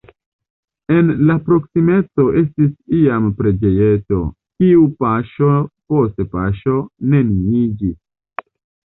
En la proksimeco estis iam preĝejeto, kiu paŝo post paŝo neniiĝis.